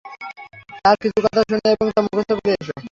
তার কিছু কথা শুন এবং তা মুখস্ত করে এসো।